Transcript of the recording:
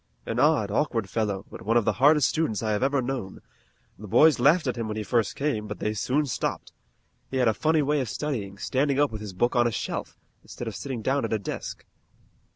An odd, awkward fellow, but one of the hardest students I have ever known. The boys laughed at him when he first came, but they soon stopped. He had a funny way of studying, standing up with his book on a shelf, instead of sitting down at a desk.